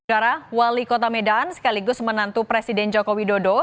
saudara wali kota medan sekaligus menantu presiden joko widodo